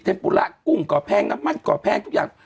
ปุระกุ้งก่อแพงน้ำมันก่อแพงทุกอย่าง